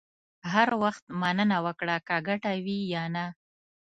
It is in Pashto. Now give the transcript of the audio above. هر وخت مننه وکړه، که ګټه وي یا نه.